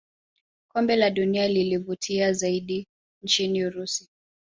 kombe la dunia lilivutia zaidi nchini urusi